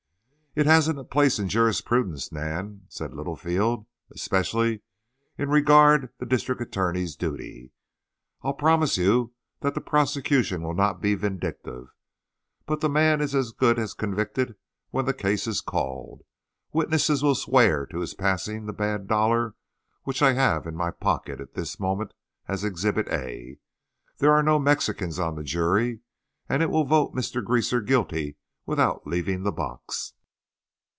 "It hasn't a place in jurisprudence, Nan," said Littlefield, "especially in re the district attorney's duty. I'll promise you that the prosecution will not be vindictive; but the man is as good as convicted when the case is called. Witnesses will swear to his passing the bad dollar which I have in my pocket at this moment as 'Exhibit A.' There are no Mexicans on the jury, and it will vote Mr. Greaser guilty without leaving the box."